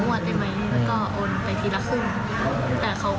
ก็โอนไปทีละครึ่งแต่เขาก็หายค่ะ